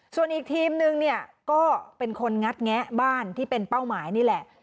ส่วนอีกทีมนึงเนี่ยก็เป็นคนงัดแงะบ้านที่เป็นเป้าหมายนี่แหละ